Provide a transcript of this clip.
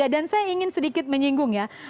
dan saya ingin sedikit menyinggung ya